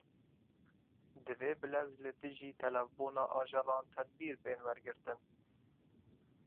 Divê bilez li dijî telefbûna ajelan tedbîr bên wergirtin.